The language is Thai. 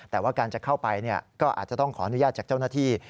แต่ว่าการจะเข้าไปก็อาจจะต้องขออนุญาตจากเจ้าหน้าที่